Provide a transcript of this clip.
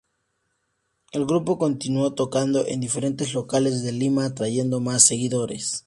El grupo continuó tocando en diferentes locales de Lima atrayendo más seguidores.